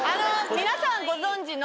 皆さんご存じの。